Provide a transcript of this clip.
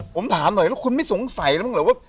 ผมถามหน่อยแล้วคุณไม่สงสัยแล้วบ้างเหรอว่า